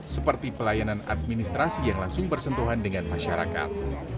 seperti pelayanan administrasi yang langsung bersentuhan dengan masyarakat